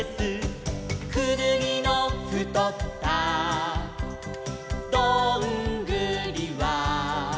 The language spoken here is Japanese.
「くぬぎのふとったどんぐりは」